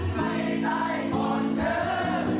ทำไมเธอมาทำไมขอบฉัน